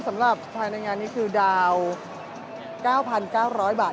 ได้ช่วงรายงานดีถึงพวกเรา